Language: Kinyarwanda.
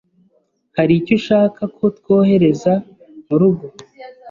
Hari icyo ushaka ko twohereza murugo?